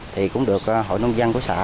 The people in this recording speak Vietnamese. thì cũng được hội nông dân của xã